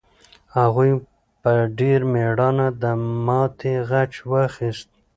هغوی په ډېر مېړانه د ماتې غچ واخیست.